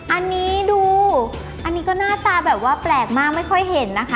อันนี้ดูอันนี้ก็หน้าตาแบบว่าแปลกมากไม่ค่อยเห็นนะคะ